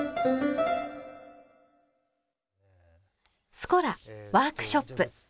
「スコラワークショップ」。